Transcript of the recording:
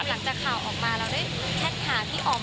หลังจากข่าวออกมาเราได้แท็กหาพี่อ๋อม